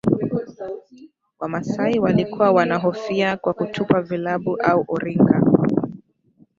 Wamasai walikuwa wanahofiwa kwa kutupa vilabu au orinka